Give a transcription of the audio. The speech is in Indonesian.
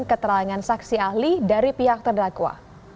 keterangan saksi ahli dari pihak terdakwa